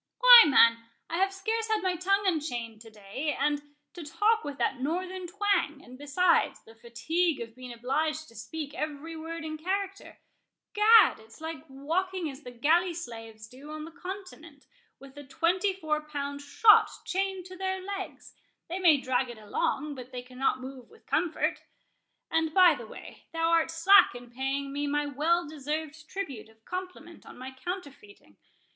"Why, man, I have scarce had my tongue unchained to day; and to talk with that northern twang, and besides, the fatigue of being obliged to speak every word in character,—Gad, it's like walking as the galley slaves do on the Continent, with a twenty four pound shot chained to their legs—they may drag it along, but they cannot move with comfort. And, by the way, thou art slack in paying me my well deserved tribute of compliment on my counterfeiting.